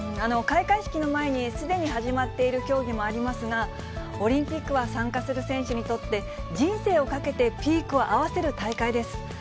開会式の前に、すでに始まっている競技もありますが、オリンピックは参加する選手にとって、人生をかけてピークを合わせる大会です。